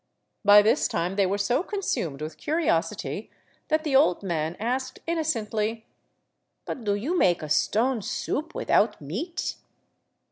By this time they were so consumed with curiosity that the old man asked innocently :But do you make a stone soup without meat?